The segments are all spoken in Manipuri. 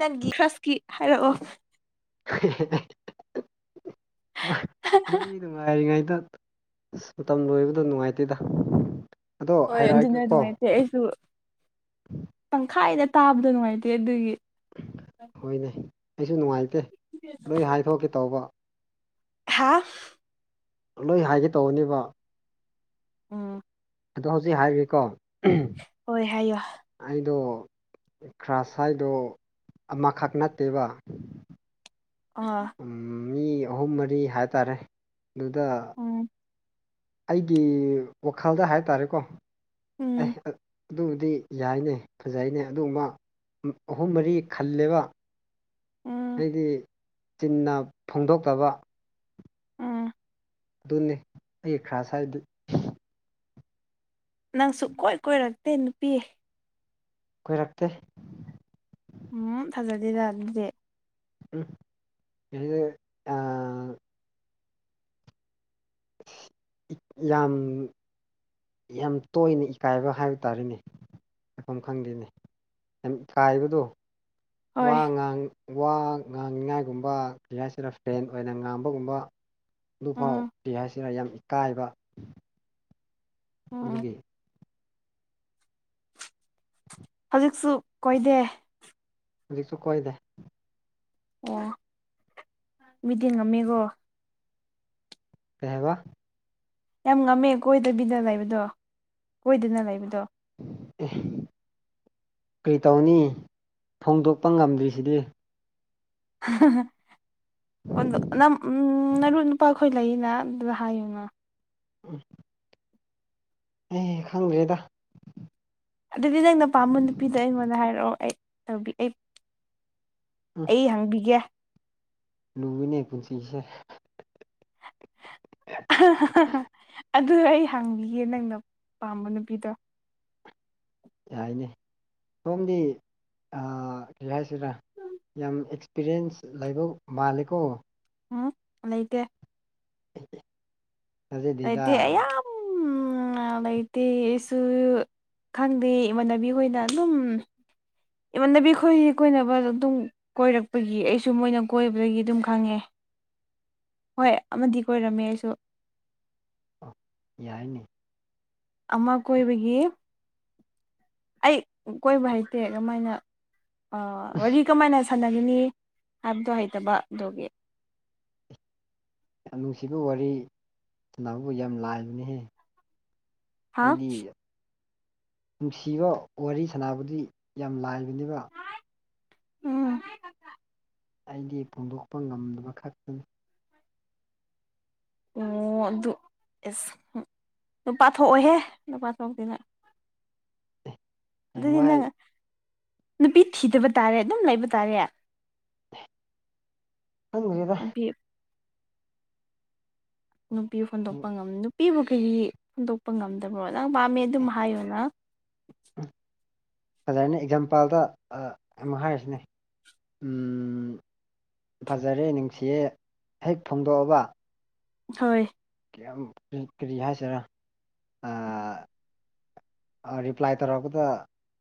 ꯅꯪꯒꯤ ꯈ꯭ꯔꯁꯀꯤ ꯍꯥꯏꯔꯛꯑꯣ꯫ ꯋꯥꯏ ꯋꯥꯔꯤ ꯅꯨꯡꯉꯥꯏꯔꯤꯉꯩꯗ ꯃꯇꯝ ꯂꯣꯏꯕꯗꯣ ꯅꯨꯡꯉꯥꯏꯇꯦꯗ꯫ ꯑꯗꯣ ꯍꯣꯏ ꯑꯗꯨꯅꯦ ꯍꯥꯏꯔꯛꯑꯒꯦꯀꯣ ꯅꯨꯡꯉꯥꯏꯇꯦ ꯑꯩꯁꯨ ꯇꯪꯈꯥꯏꯗ ꯇꯥꯕꯗꯣ ꯅꯨꯡꯉꯥꯏꯇꯦ ꯑꯗꯨꯒꯤ ꯍꯣꯏꯅꯦ ꯑꯩꯁꯨ ꯅꯨꯡꯉꯥꯏꯇꯦ ꯂꯣꯏ ꯍꯥꯏꯗꯣꯛꯀꯦ ꯇꯧꯕ꯫ [unintelligible] ꯂꯣꯏ ꯍꯥꯏꯒꯦ ꯇꯧꯕꯅꯤꯕ꯫ ꯎꯝ꯫ ꯑꯗꯣ ꯍꯧꯖꯤꯛ ꯍꯥꯏꯔꯒꯦꯀꯣ꯫ ꯍꯣꯏ ꯍꯥꯏꯌꯣ꯫ ꯑꯩꯗꯣ ꯈ꯭ꯔꯁ ꯍꯥꯏꯗꯣ ꯑꯃꯈꯛ ꯅꯠꯇꯦꯕ꯫ ꯑꯥ꯫ ꯃꯤ ꯑꯍꯨꯝ ꯃꯔꯤ ꯍꯥꯏꯇꯥꯔꯦ ꯑꯗꯨꯗ꯫ ꯎꯝ ꯑꯩꯒꯤ ꯋꯥꯈꯜꯗ ꯍꯥꯏꯇꯥꯔꯦꯀꯣ ꯎꯝ ꯑꯦ ꯑꯠ ꯑꯗꯨꯕꯨꯗꯤ ꯌꯥꯏꯅꯦ ꯐꯖꯩꯅꯦ ꯑꯗꯨꯒꯨꯝꯕ ꯑꯍꯨꯝ ꯃꯔꯤ ꯈꯜꯂꯦꯕ꯫ ꯎꯝ ꯍꯥꯏꯗꯤ꯫ ꯆꯤꯟꯅ ꯐꯣꯡꯗꯣꯛꯇꯕ꯫ ꯎꯝ ꯑꯗꯨꯅꯦ ꯑꯩ ꯈ꯭ꯔꯁ ꯍꯥꯏꯗꯤ꯫ ꯅꯪ ꯁꯨꯀꯣꯏ ꯀꯣꯏꯔꯛꯇꯦ ꯅꯨꯄꯤ꯫ ꯀꯣꯏꯔꯛꯇꯦ ꯎꯝ ꯐꯖꯗꯦꯗ ꯑꯗꯨꯗꯤ ꯎꯝ ꯑ ꯌꯥꯝ ꯌꯥꯝ ꯇꯣꯏꯅ ꯏꯀꯥꯏꯕ ꯍꯥꯏꯕ ꯇꯥꯔꯦꯅꯦ ꯂꯩꯐꯝ ꯈꯪꯗꯦꯅꯦ ꯌꯥꯝ ꯀꯥꯏꯕꯗꯣ ꯍꯣꯏ ꯋꯥ ꯉꯥꯡ ꯋꯥ ꯉꯥꯡꯅꯤꯉꯥꯏꯒꯨꯝꯕ ꯀꯩ ꯍꯥꯏꯁꯤꯔ ꯐ꯭ꯔꯦꯟ ꯑꯣꯏꯅ ꯉꯥꯡꯕꯒꯨꯝꯕ ꯑꯗꯨꯐꯥꯎ ꯎꯝ ꯀꯩ ꯍꯥꯏꯁꯤꯔ ꯌꯥꯝ ꯏꯀꯥꯏꯕ ꯎꯝ ꯑꯗꯨꯒꯤ ꯍꯧꯖꯤꯛꯁꯨ ꯀꯣꯏꯗꯦ ꯍꯧꯖꯤꯛꯁꯨ ꯀꯣꯏꯗꯦ ꯑꯣ ꯃꯤꯗꯤ ꯉꯝꯃꯤꯀꯣ ꯀꯩ ꯍꯥꯏꯕ ꯌꯥꯝ ꯉꯝꯃꯦ ꯀꯣꯏꯗꯕꯤꯗ ꯂꯩꯕꯗꯣ ꯀꯣꯏꯗꯅ ꯂꯩꯕꯗꯣ ꯑꯦ ꯀꯔꯤ ꯇꯧꯅꯤ ꯐꯣꯡꯗꯣꯛꯄ ꯉꯝꯗ꯭ꯔꯤꯁꯤꯗꯤ [unintelligible] ꯑꯩꯈꯣꯏ ꯂꯩꯔꯤꯅ ꯑꯗꯨꯗ ꯍꯥꯏꯌꯨꯅ ꯎꯝ ꯑꯦ ꯈꯪꯗ꯭꯭ꯔꯦꯗ ꯑꯗꯨꯗꯤ ꯅꯪꯅ ꯄꯥꯝꯕ ꯅꯨꯄꯤꯗꯣ ꯑꯩꯉꯣꯟꯗ ꯍꯥꯏꯔꯛꯑꯣ ꯑꯩ ꯇꯧꯕꯤ ꯑꯩ ꯑꯩ ꯍꯪꯕꯤꯒꯦ ꯂꯨꯋꯤꯅꯦ ꯄꯨꯟꯁꯤꯁꯦ ꯑꯗꯨ ꯑꯩ ꯍꯥꯡꯕꯤꯒꯦ ꯅꯪꯅ ꯄꯥꯝꯕ ꯅꯨꯄꯤꯗꯣ ꯌꯥꯅꯦ ꯁꯣꯝꯗꯤ ꯑ ꯀꯔꯤ ꯍꯥꯏꯁꯤꯔꯥ ꯌꯥꯝ ꯑꯦꯛꯁ ꯑꯦꯛꯁꯄꯤꯔꯦꯟꯁ ꯂꯩꯥꯕ ꯃꯥꯜꯂꯤꯀꯣ ꯎꯝ ꯂꯩꯇꯦ [inaudible] ꯂꯩꯇꯦ ꯑꯩ ꯌꯥꯝ ꯂꯩꯇꯦ ꯑꯩꯁꯨ ꯈꯪꯗꯦ ꯏꯃꯥꯟꯅꯕꯤ ꯍꯣꯏꯅ ꯑꯗꯨꯝ ꯏꯃꯥꯟꯅꯕꯤ ꯑꯩꯈꯣꯏ ꯀꯣꯏꯅꯕ ꯑꯗꯨꯝ ꯀꯣꯏꯔꯛꯄꯒꯤ ꯑꯩꯁꯨ ꯃꯣꯏꯅ ꯀꯣꯏꯕꯗꯒꯤ ꯑꯗꯨꯝ ꯈꯪꯉꯦ ꯍꯣꯏ ꯑꯃꯗꯤ ꯀꯣꯏꯔꯝꯃꯦ ꯑꯩꯁꯨ ꯑꯣ ꯌꯥꯏꯅꯦ ꯑꯃ ꯀꯣꯏꯕꯒꯤ ꯑꯩ ꯀꯣꯏꯕ ꯍꯩꯇꯦ ꯀꯃꯥꯏꯅ ꯑ ꯋꯥꯔꯤ ꯀꯃꯥꯏꯅ ꯁꯥꯟꯅꯒꯤꯅꯤ ꯍꯥꯏꯕꯗꯣ ꯍꯩꯇꯕ ꯑꯗꯨꯒꯤ ꯌꯥꯝ ꯅꯨꯡꯁꯤꯕ ꯋꯥꯔꯤ ꯁꯟꯅꯕꯕꯨ ꯌꯥꯝ ꯂꯥꯏꯕꯅꯤꯍꯦ ꯍꯥ ꯍꯥꯏꯗꯤ ꯅꯨꯡꯁꯤꯕ ꯋꯥꯔꯤ ꯁꯥꯟꯅꯕꯗꯤ ꯌꯥꯝ ꯂꯥꯏꯕꯅꯦꯕ ꯎꯝ ꯑꯩꯗꯤ ꯐꯣꯡꯗꯣꯛꯄ ꯉꯝꯗꯕ ꯈꯛꯇꯅꯤ ꯑꯣ ꯑꯗꯨ ꯑꯦꯁ ꯅꯨꯨꯄꯥ ꯊꯣꯛꯑꯣꯍꯦ ꯅꯨꯨꯄꯥ ꯊꯣꯛꯇꯦ ꯅꯪ ꯑꯗꯨꯗꯤ ꯍꯌꯦꯡꯋꯥꯏ ꯅꯪ ꯅꯨꯄꯤ ꯊꯤꯗꯕ ꯇꯥꯔꯦ ꯑꯗꯨꯝ ꯂꯩꯕ ꯇꯥꯔꯦ ꯈꯪꯗ꯭ꯔꯦꯗ ꯅꯨꯄꯤ ꯅꯨꯄꯤ ꯍꯨꯟꯗꯣꯛꯄ ꯉꯝ ꯅꯨꯄꯤꯕꯨ ꯀ꯭ꯔꯤ ꯍꯨꯟꯗꯣꯛꯄ ꯉꯝꯗꯕ꯭ꯔꯣ ꯅꯪ ꯄꯥꯝꯃꯦ ꯑꯗꯨꯝ ꯍꯥꯏꯌꯣ ꯅ ꯎꯝ ꯐꯖꯔꯅꯤ ꯑꯦꯛꯖꯥꯝꯄꯥꯜꯗ ꯑꯃ ꯍꯥꯏꯔꯁꯤꯅꯦ ꯎꯝ ꯐꯖꯔꯦ ꯅꯤꯡꯁꯤꯌꯦ ꯍꯦꯛ ꯐꯣꯡꯗꯣꯛꯑꯕ ꯍꯣꯏ ꯀꯌꯥꯝ ꯀ꯭ꯔꯤ ꯀꯔꯤ ꯍꯥꯏꯁꯤꯔꯥ ꯑꯥ ꯑꯥ ꯔꯤꯄ꯭ꯂꯥꯏ ꯇꯧꯔꯛꯄꯗ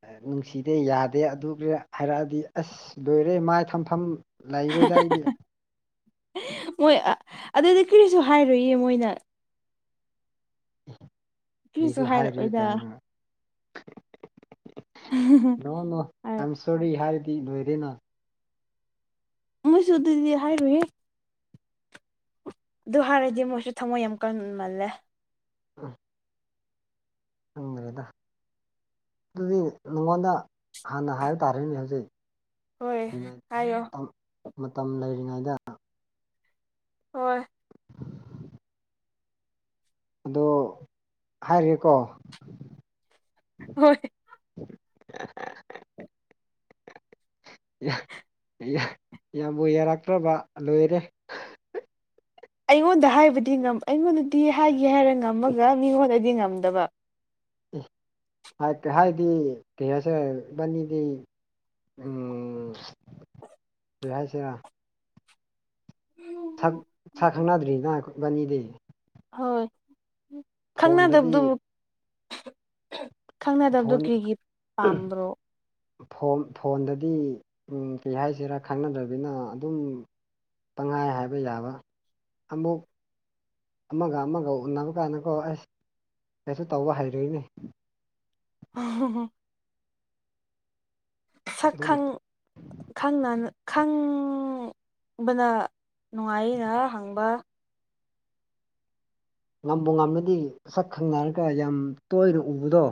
ꯑꯦ ꯅꯨꯡꯁꯤꯗꯦ ꯌꯥꯗꯦ ꯑꯗꯨ [unintelligible] ꯍꯥꯏꯔꯛꯑꯗꯤ ꯑꯁ ꯂꯣꯏꯔꯦ ꯃꯥꯏ ꯊꯝꯐꯝ ꯂꯩꯔꯣꯏꯗꯥ ꯑꯩꯗꯤ [unintelligible] ꯃꯣꯏ ꯑꯥ ꯑꯗꯨꯗꯤ ꯀ꯭ꯔꯤꯁꯨ ꯍꯥꯏꯔꯣꯏꯌꯦ ꯃꯣꯏꯅ ꯀꯔꯤꯁꯨ ꯀ꯭ꯔꯤꯁꯨ ꯍꯥꯏꯔꯨꯏ ꯍꯥꯏꯔꯛꯑꯣꯏꯗ ꯀꯥꯏꯅ ꯅꯣ ꯅꯣ ꯑꯥꯏꯝ ꯁꯣꯔꯤ ꯍꯥꯏꯔꯗꯤ ꯂꯣꯏꯔꯦꯅ ꯃꯣꯏꯁꯨ ꯑꯗꯨꯗꯤ ꯍꯥꯏꯔꯣꯏꯌꯦ ꯗꯨ ꯍꯥꯏꯔꯗꯤ ꯃꯣꯏꯁꯨ ꯊꯃꯣꯏ ꯌꯥꯝ ꯀꯟꯃꯜꯂꯦ [unintelligible] ꯈꯪꯗꯔꯦꯗꯥ ꯑꯗꯨꯗꯤ ꯅꯉꯣꯟꯗ ꯍꯥꯟꯅ ꯍꯥꯏꯕ ꯇꯥꯔꯦꯅꯦ ꯍꯧꯖꯤꯛ ꯍꯣꯏ ꯑꯦꯃꯦꯠ ꯍꯥꯏꯌꯣ ꯇꯪ ꯃꯇꯝ ꯂꯩꯔꯤꯉꯩꯗ ꯍꯣꯏ ꯑꯗꯣ ꯍꯥꯏꯔꯒꯦꯀꯣ ꯍꯣꯏ ꯌꯥꯏ ꯌꯥꯏ ꯌꯥꯝꯕꯨ ꯌꯥꯔꯛꯇ꯭ꯔꯕ ꯂꯣꯏꯔꯦ ꯑꯩꯉꯣꯟꯗ ꯍꯥꯏꯕꯗꯤ ꯉꯝ ꯑꯩꯉꯣꯟꯗꯗꯤ ꯍꯥꯏꯒꯦ ꯍꯥꯏꯔ ꯉꯝꯃꯒ ꯃꯤꯉꯣꯟꯗꯗꯤ ꯉꯝꯗꯕ ꯑꯦ ꯍꯛꯀꯥ ꯍꯥꯏꯗꯤ ꯀꯩ ꯍꯥꯏꯁꯤꯔ ꯏꯕꯟꯅꯤꯗꯤ ꯎꯝ [unintelligible] ꯀꯔꯤ ꯍꯥꯏꯁꯤꯔ [unintelligible] ꯥꯁꯛ ꯁꯛ ꯈꯪꯅꯗ꯭ꯔꯤꯅ ꯈꯣ ꯏꯕꯟꯅꯤꯗꯤ ꯍꯣꯏ ꯐꯣꯟꯗꯗꯤ ꯈꯪꯅꯗꯕꯗꯨꯕꯨ [unintelligible] ꯈꯪꯅꯗꯕꯗꯨ ꯐꯣꯟ ꯀ꯭ꯔꯤꯒꯤ ꯄꯥꯝꯕ꯭ꯔꯣ? ꯐꯣꯝ ꯐꯣꯟꯗꯗꯤ ꯎꯝ ꯀꯩ ꯍꯥꯏꯁꯤꯔꯥ ꯈꯪꯅꯗ꯭ꯔꯕꯤꯟꯅ ꯑꯗꯨꯝ ꯄꯪꯍꯥꯏ ꯍꯥꯏꯕ ꯌꯥꯕ ꯑꯃꯨꯛ ꯑꯃꯒ ꯑꯃꯒ ꯎꯟꯅꯕ ꯀꯥꯟꯗꯀꯣ ꯑꯩꯁ ꯀꯩꯁꯨ ꯇꯧꯕ ꯍꯩꯔꯣꯏꯅꯦ [unintelligible] ꯁꯛ ꯑꯗꯨꯝ ꯈꯪ ꯈꯪꯅꯅ ꯈꯪꯕꯅ ꯅꯨꯡꯉꯥꯏ ꯏꯔ ꯍꯪꯕ ꯉꯝꯕꯨ ꯉꯥꯝꯔꯗꯤ ꯁꯛ ꯈꯪꯅꯔꯒ ꯌꯥꯝ ꯇꯣꯏꯅ ꯎꯕꯗꯣ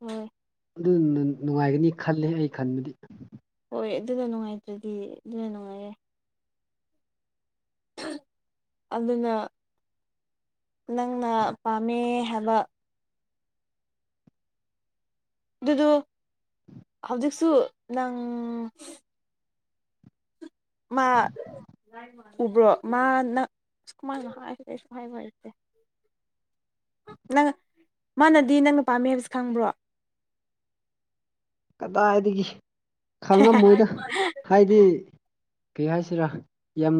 ꯍꯣꯏ ꯑꯗꯨꯅꯨ ꯅꯨꯡꯉꯥꯏꯒꯅꯤ ꯈꯜꯂꯦ ꯑꯩ ꯈꯟꯕꯗꯤ꯫ ꯍꯣꯏ ꯑꯗꯨꯅ ꯅꯨꯡꯉꯥꯏꯇ꯭ꯔꯗꯤ ꯑꯗꯨꯅ ꯅꯨꯡꯉꯥꯏꯌꯦ꯫ ꯑꯗꯨꯅ ꯅꯪꯅ ꯄꯥꯝꯃꯦ ꯍꯥꯏꯕ ꯑꯗꯨꯗꯨ ꯍꯧꯖꯤꯛꯁꯨ ꯅꯪ ꯃꯥ [unintelligible] ꯎꯕ꯭ꯔꯣ ꯃꯥ ꯅꯪ ꯑꯁ ꯀꯃꯥꯏꯅ ꯍꯥꯏꯁꯦꯔ ꯑꯩꯁꯨ ꯍꯥꯏꯕ ꯍꯩꯇꯦ ꯅꯪ ꯃꯥꯅꯗꯤ ꯅꯪꯅ ꯄꯥꯝꯃꯦ ꯍꯥꯏꯕꯁꯦ ꯈꯪꯕ꯭ꯔꯣ? ꯀꯗꯥꯏꯗꯒꯤ ꯈꯪꯉꯝꯃꯣꯏꯗ ꯍꯥꯏꯗꯤ ꯀꯩ ꯍꯥꯏꯁꯦꯔꯥ ꯌꯥꯝ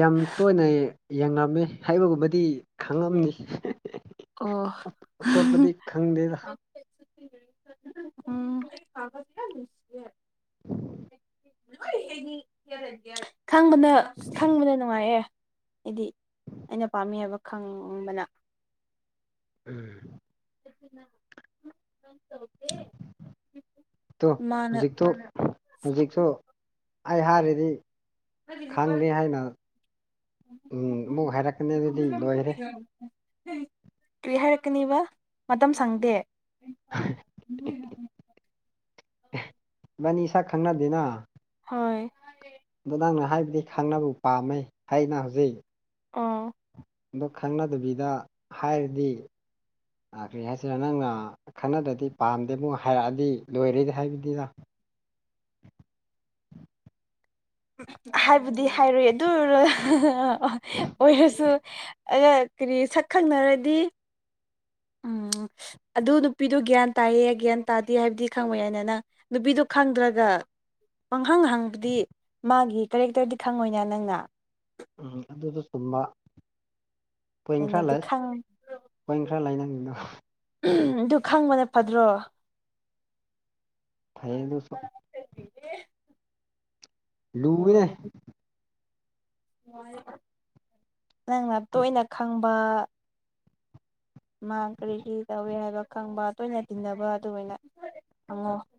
ꯌꯥꯝ ꯇꯣꯏꯅ ꯌꯦ ꯌꯦꯡꯔꯝꯃꯤ ꯍꯥꯏꯕꯒꯨꯝꯕꯗꯤ ꯈꯪꯉꯝꯅꯤ [unintelligible] ꯑꯣ ꯑꯇꯣꯞꯄꯗꯤ ꯈꯪꯗꯦꯗ [unintelligible] [unintelligible] ꯎꯝ [unintelligible] ꯌꯝ ꯅꯨꯡꯁꯤꯌꯦ ꯈꯪꯕꯅ ꯈꯪꯕꯅ ꯅꯨꯡꯉꯥꯏꯌꯦ ꯑꯩꯗꯤ ꯑꯩꯅ ꯄꯥꯝꯃꯤ ꯍꯥꯏꯕ ꯈꯪꯕꯅ ꯎꯝ [inaudible] ꯇꯣ ꯃꯥꯅ ꯍꯧꯖꯤꯛ ꯇꯨꯛ ꯍꯧꯖꯤꯛꯁꯨ ꯑꯩ ꯍꯥꯏꯔꯗꯤ ꯈꯪꯗꯦ ꯍꯥꯏꯅ ꯎꯝ ꯑꯃꯨꯛ ꯍꯥꯏꯔꯛꯀꯅꯤ ꯑꯗꯨꯗꯤ ꯂꯣꯏꯈꯔꯦ ꯀ꯭ꯔꯤ ꯍꯥꯏꯔꯛꯀꯅꯤꯕ ꯃꯇꯝ ꯁꯪꯗꯦ ꯏꯕꯥꯅꯤ ꯁꯛ ꯈꯪꯅꯗꯦꯅ ꯍꯣꯏ ꯑꯗꫭ ꯅꯪꯅ ꯍꯥꯏꯕꯗꯤ ꯈꯪꯅꯕ ꯄꯥꯝꯃꯦ ꯍꯩꯅ ꯍꯧꯖꯤꯛ ꯑꫭ ꯑꯗꯣ ꯈꯪꯅꯗꯕꯤꯗ ꯍꯥꯏꯔꯗꯤ ꯑ ꯀꯔꯤ ꯍꯥꯏꯁꯤꯔꯥ ꯅꯪꯅ ꯈꯡꯅꯗꯗꯤ ꯄꯥꯝꯗꯦ ꯑꯃꯨꯛ ꯍꯥꯏꯔꯛꯑꯗꯤ ꯂꯣꯏꯔꯦ ꯍꯥꯏꯕꯅꯤꯗ ꯍꯥꯏꯕꯨꯗꯤ ꯍꯥꯏꯔꯨꯏ ꯑꯗꯨ ꯑꯣꯏꯔꯁꯨ ꯑꯩꯒ ꯀꯔꯤ ꯁꯛ ꯈꯪꯅꯔꯗꯤ ꯎꯝ ꯑꯗꯨ ꯅꯨꯄꯤꯗꯨ ꯒ꯭ꯌꯥꯟ ꯇꯥꯏꯌꯦ ꯒ꯭ꯌꯥꯟ ꯇꯥꯗꯦ ꯍꯥꯏꯕꯗꯤ ꯈꯪꯕ ꯌꯥꯏꯅ ꯅꯪ ꯅꯨꯄꯤꯗꯨ ꯈꯪꯗ꯭ꯔꯒ ꯄꯪꯍꯡ ꯍꯪꯕꯗꯤ ꯃꯥꯒꯤ ꯀꯔꯦꯛꯇꯔꯗꯤ ꯈꯪꯉꯣꯏꯅꯥ ꯅꯪꯅ ꯎꯝ ꯑꯗꯨꯁꯨ ꯆꯨꯝꯕ ꯄꯣꯏꯟ ꯑꯗꯨꯅ ꯈꯔ ꯑꯗꯨ ꯂꯩ ꯈꯪ ꯄꯣꯏꯟ ꯈꯔ ꯂꯩ ꯅꯪꯒꯤ ꯗꯣ ꯑꯗꯨ ꯈꯪꯕꯅ ꯐꯗ꯭ꯔꯣ ꯐꯩꯌꯦ ꯑꯗꯨꯁꯨ [inaudible] ꯂꯨꯏ ꯍꯣꯏ ꯑꯦꯅꯦ ꯅꯪꯅ ꯇꯣꯏꯅ ꯈꯪꯕ ꯃꯥ ꯀꯔꯤ ꯀꯔꯤ ꯇꯧꯋꯦ ꯍꯥꯏꯕ ꯈꯪꯕ ꯇꯣꯏꯅ ꯇꯤꯟꯅꯕ ꯑꯗꯨꯑꫭꯏꯅ ꯍꯪꯉꫭ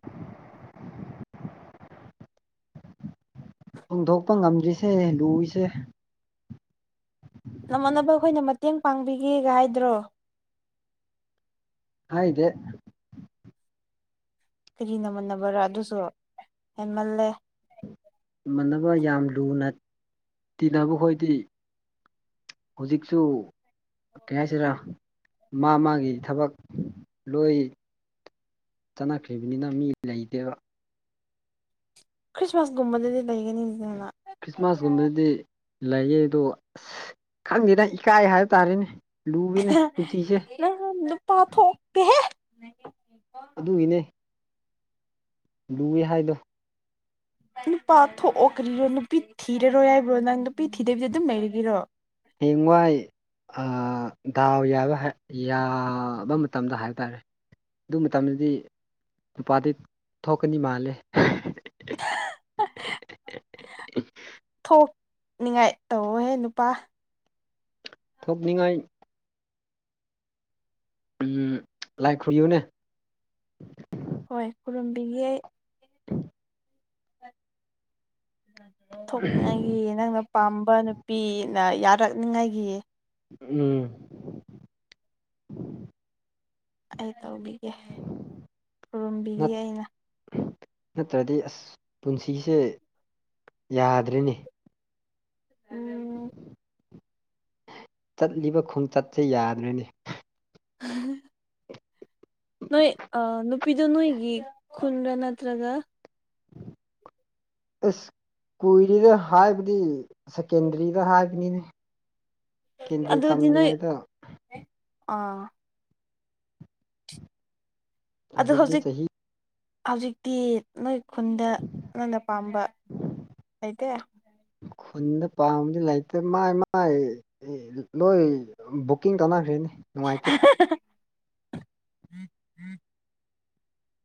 ꯐꯣꯡꯗꯣꯛꯄ ꯉꯝꯗ꯭ꯔꯤꯁꯦ ꯂꯨꯏꯁꯦ ꯅꯃꯥꯟꯅꯕ ꯈꯣꯏꯅ ꯃꯇꯦꯡ ꯄꯥꯡꯕꯤꯒꯦꯒ ꯍꯥꯏꯗ꯭ꯔꯣ ꯍꯥꯏꯗꯦ ꯀꯔꯤ ꯅꯃꯥꯟꯅꯕꯔꯥ ꯑꯗꯨꯁꯨ ꯍꯦꯟꯃꯜꯂꯦ ꯏꯃꯥꯟꯅꯕ ꯌꯥꯝ ꯂꯨꯅ ꯇꯤꯟꯅꯕ ꯈꯣꯏꯗꯤ ꯍꯧꯖꯤꯛꯁꯨ ꯀꯩ ꯍꯥꯏꯁꯤꯔꯥ ꯃꯥ ꯃꯥꯒꯤ ꯊꯕꯛ ꯂꯣꯏ ꯆꯠꯅꯈ꯭ꯔꯤꯕꯅꯤꯅ ꯃꯤ ꯂꯩꯇꯦꯕ ꯈ꯭ꯔꯤꯁꯃꯥꯁꯒꯨꯝꯕꯗꯗꯤ ꯂꯩꯒꯅꯤꯗꯅ ꯈ꯭ꯔꯤꯁꯃꯥꯁꯀꯨꯝꯕꯗꯗꯤ ꯂꯩꯌꯦ ꯑꯗꯨ ꯑꯁ ꯈꯪꯗꯦꯅ ꯏꯀꯥꯏ ꯍꯥꯏꯕ ꯇꯥꯔꯦꯅꯦ ꯂꯨꯏꯌꯦꯅꯦ ꯄꯨꯟꯁꯤꯁꯦ ꯅꯪ ꯅꯨꯄꯥ ꯊꯣꯛꯇꯦꯍꯦ ꯑꯗꯨꯒꯤꯅꯦ ꯂꯨꯏꯌꯦ ꯍꯥꯏꯗꯣ ꯅꯨꯄꯥ ꯊꯣꯛꯑꯣ ꯀꯔꯤꯔꯣ ꯅꯨꯄꯤ ꯊꯤꯔꯔꯣ ꯌꯥꯏꯕ꯭ꯔꯣ ꯅꯪ ꯅꯨꯄꯤ ꯊꯤꯗꯕꯤꯗꯤꯗ ꯑꯗꯨꯝ ꯂꯩꯔꯒꯤꯔꯣ ꯍꯦꯡꯋꯥꯏ ꯑꯥ ꯗꯥꯎ ꯌꯥꯕ ꯍꯥꯏ ꯌꯥꯕ ꯃꯇꯝꯗ ꯍꯥꯏꯕ ꯇꯥꯔꯦ ꯑꯗꯨ ꯃꯇꯝꯗꯗꯤ ꯅꯨꯄꯥꯗꯤ ꯊꯣꯛꯀꯅꯤ ꯃꯥꯜꯂꯦ ꯊꯣꯛꯅꯤꯡꯉꯥꯏ ꯇꯧꯔꯍꯦ ꯅꯨꯄꯥ ꯊꯨꯛꯅꯤꯡꯉꯥꯏ ꯎꯝ ꯂꯥꯏ ꯈꯨꯔꯨꯝꯕꯌꯨꯅꯦ ꯍꯣꯏ ꯈꯨꯔꯨꯝꯕꯤꯒ° ꯊꯣꯛꯅꯥꯏꯒꯤ ꯅꯪꯅ ꯄꯥꯝꯕ ꯅꯨꯄꯤꯅ ꯌꯥꯔꯛꯅꯤꯉꯥꯏꯒꯤ ꯎꯝ ꯑꯩ ꯇꯧꯕꯤꯒꯦ ꯈꯨꯔꯨꯝꯕꯤꯒ° ꯑꯩꯅ ꯅꯠꯇ꯭ꯔꯗꯤ ꯑꯁ ꯄꯨꯟꯁꯤꯁꯦ ꯌꯥꯗ꯭ꯔꯦꯅꯦ [inaudible] ꯆꯠꯂꯤꯕ ꯈꯣꯡꯆꯠꯁꯦ ꯌꯥꯗ꯭ꯔ°ꯅ° [inaudible] ꯅꯣꯏ ꯑꯥ ꯅꯨꯄꯤꯗꯣ ꯅꯣꯏꯒꯤ ꯈꯨꯟꯒ꯭ꯔꯥ ꯅꯠꯇ꯭ꯔꯒ ꯑꯁ ꯀꯨꯏꯔ°ꯗ ꯍꯥꯏꯕꯗꯤ ꯁꯀꯦꯟꯗꯔꯤꯗ ꯍꯥꯥ ꯀꯅꯤꯅꯦ ꯑꯗꯨꯗꯤ ꯅꫭꯎ ꯑꯥ ꯑꯗꫭ ꯍꯧꯖꯤꯛꯇꯤ ꯍꯧꯖꯤꯛ ꯆꯍꯤ ꯍꯧꯖꯤꯛꯇꯤ ꯅꯣꯏ ꯈꯨꯟꯗ ꯅꯪꯅ ꯄꯥꯝꯕ ꯂꯩꯇꯦ ꯈꯨꯟꯗ ꯄꯥꯝꯕꯗꯤ ꯂꯩꯥꯏꯇ ꯃꯥꯏ ꯃꯥꯏ ꯑꯦ ꯂꫭꯏ ꯕꯨꯛꯀꯤꯡ ꯇꯧꯅꯈ꯭ꯔꯦꯅꯦ ꯅꯨꯡꯉꯥꯏꯇꯦ [inaudible]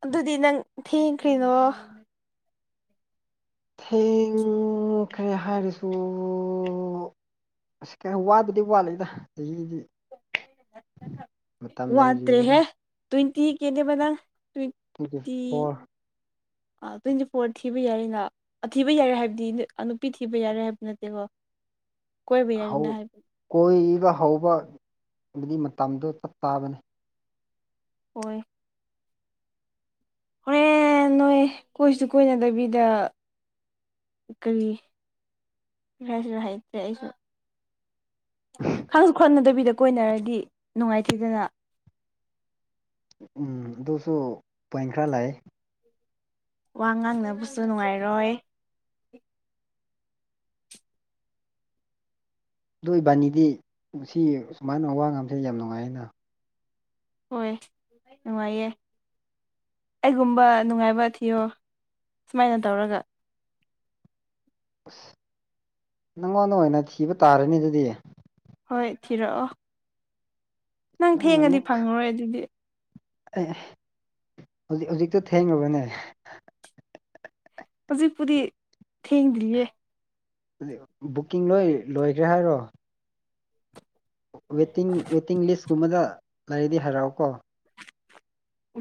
ꯑꯗꯨꯗꯤ ꯅꯪ ꯊꯤꯈ꯭ꯔꯤꯔꫭ ꯊꯦꯡꯈ꯭ꯔꯦ ꯍꯥꯏꯔꯁꯨ ꯑꯁ ꯀꯩꯅꯣ ꯋꯥꯕꯗꯤ ꯋꯥꯠꯂꯤꯛꯏꯗ ꯑꯩꯒꯤꯗꯤ ꯃꯇꯝ ꯂꯩꯔꯤꯗꯅ ꯋꯥꯠꯇ꯭ꯔꯦꯍꯦ ꯇ꯭ꯋꯦꯟꯇꯤ ꯀꯦꯅꯦꯕꯅꯥ ꯇ꯭ꯋꯦꯟꯇꯤ ꯑꯥ ꯇ꯭ꯋꯦꯟꯇꯤ ꯐꯣꯔ ꯊꯤꯕ ꯌꯥꯏꯅ ꯊꯤꯕ ꯌꯥꯔꯦ ꯍꯥꯏꯕꯗꯤ ꯑꯥ ꯅꯨꯄꯤ ꯊꯤꯕ ꯌꯥꯔꯦ ꯍꯥꯏꯕ ꯅꯠꯇꯦꯀꫭ ꯍꯧ ꯀꯣꯏꯕ ꯍꯧꯕ ꯃꯇꯝꯗꯣ ꯇꯞ ꯇꯥꯕꯅꯤ ꯍꫭꯏ ꯍꯣꯔꯦꯟ ꯅꯣꯏ ꯀꯣꯏꯁꯨ ꯀꯣꯏꯅꯗꯕꯤꯗ ꯀꯔꯤ ꯍꯥꯏꯁꯤꯔ ꯍꯥꯏꯇ꯭ꯔꯦ ꯑꯩꯁꯨ ꯈꯡꯁꯨ ꯈꯠꯅꯗꯕꯤꯗ ꯀꯣꯏꯅꯔꯗꯤ ꯅꯨꯡꯉꯥꯏꯇꯦꯗꯅ ꯎꯝ ꯑꯗꯨꯁꯨ ꯄꯦꯡ ꯈꯔꯥ ꯂꯩꯑꯦ ꯋꯥ ꯉꯥꯡꯅꯕꯁꯨ ꯅꯨꯡꯉꯥꯏꯔꯣꯏ ꯑꯗꯨ ꯏꯕꯥꯅꯤꯗꯤ ꯉꯁꯤ ꯁꯨꯃꯥꯏꯅ ꯋꯥ ꯉꯁꯦ ꯌꯥꯝ ꯅꯨꯡꯉꯥꯏ ꯍꯥꯏꯅ ꯍꯣꯏ ꯅꯨꯡꯉꯥꯏꯌꯦ ꯑꯩꯒꯨꯝꯕ ꯅꯨꯡꯉꯥꯏꯕ ꯊꯤꯌꯣ ꯁꯨꯃꯥꯏꯅ ꯇꯧꯔꯒ ꯑꯁ ꯅꯪꯉꯣꯟꯗ ꯑꯣꯏꯅ ꯊꯤꯕ ꯇꯥꯔ°ꯅ° ꯑꯗꯨꯗꯤ ꯍꯣꯏ ꯊꯤꯔꯛꯑꯣ ꯅꯪ ꯅꯪꯅ ꯊꯦꯡꯉꯗꯤ ꯑꯃꯨꯛ ꯐꯪꯉꯔꯣꯏ ꯑꯗꯨꯗꯤ ꯍꯧꯖꯤꯛ ꯍꯧꯖꯤꯛꯇꯣ ꯊꯦꯡꯉꯂꯕꯅꯦ ꯍꯧꯖꯤꯛꯄꯨꯗꯤ ꯊꯦꯡꯗ꯭ꯔꯤꯌꯦ [inaudible] ꯕꯨꯛꯀꯤꯡ ꯂꯣꯏ ꯂꯣꯏꯈ꯭ꯔꯦ ꯍꯥꯏꯔꯣ ꯋꯦꯇꯤꯡ ꯋꯦꯇꯤꯡ ꯂꯤꯁꯀꯨꯝꯕꯗ ꯂꯩꯔꯗꯤ ꯍꯥꯏꯔꯛꯑꯣꯀꯣ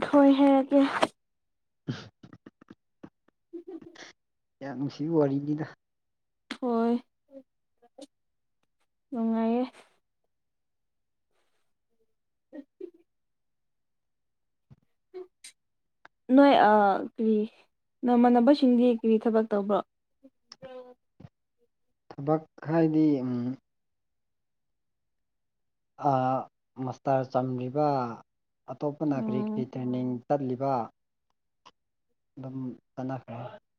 ꯍꫭꯏ ꯍꯥꯏꯔꯛꯒꯦ [inaudible] ꯎꯝ [inaudible] ꯌꯥꯝ ꯅꯨꯡꯁꯤꯕ ꯋꯥꯔꯤꯅꯤꯗ ꯍꯣꯏ ꯅꯨꯡꯉꯥꯏꯌꯦ [inaudible] ꯅꯣꯏ ꯑ ꯀꯔꯤ ꯅꯃꯥꯟꯅꯕꯁꯤꯡꯗꯤ ꯀꯔꯤ ꯊꯕꯛ ꯇꯧꯕ꯭ꯔꯣ ꯊꯕꯛ ꯍꯥꯏꯗꯤ ꯎꯝ ꯑꯥ ꯃꯥꯁꯇꯔ ꯆꯝꯔꯤꯕ ꯑꯇꯣꯞꯄꯅ ꯀ꯭ꯔꯤ ꯎꯝ ꯀ꯭ꯔꯤ [unintelligible] ꯗꯨꯝ ꯇꯟꯅꯥꯈ꯭ꯔ [unintelligible]